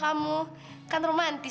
kamu kok lama banget sih